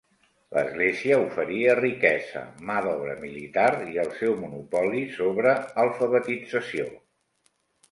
L'Església oferia riquesa, mà d'obra militar i el seu monopoli sobre alfabetització.